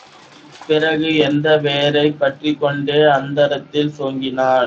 பிறகு, அந்த வேரைப் பற்றிக்கொண்டே அந்தரத்தில் தொங்கினான்.